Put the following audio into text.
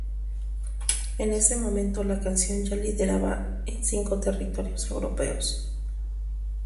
En ese momento, la canción ya lideraba en cinco territorios europeos.